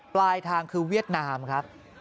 ปลายทางคือเวียดนามครับ